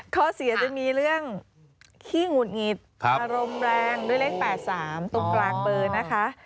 ข้อเสียจะมีเรื่องขี้หงุดหงิดอารมณ์แรงด้วยเลข๘๓ตรงกลางเบอร์นะคะ